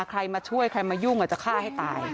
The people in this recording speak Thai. ใครมาช่วยใครมายุ่งจะฆ่าให้ตาย